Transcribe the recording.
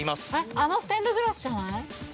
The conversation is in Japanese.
あのステンドグラスじゃない？